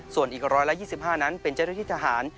ส่วนอีก๑๒๕นั้นเป็นเจ้าหน้าที่ทหาร